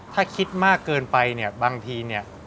ถ้าคิดมากเกินไปเนี่ยบางทีเนี่ย